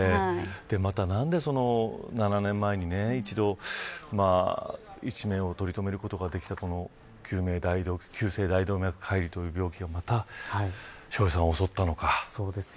なぜ、７年前に一命を取りとめることができた急性大動脈解離という病気がまた、笑瓶さんを襲ったのか。